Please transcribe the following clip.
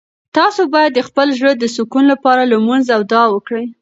تاسو باید د خپل زړه د سکون لپاره لمونځ او دعا وکړئ.